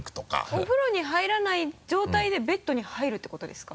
お風呂に入らない状態でベッドに入るってことですか？